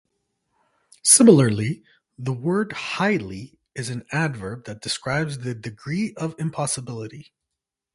Similarly, the word "highly" is an adverb that describes the degree of impossibility.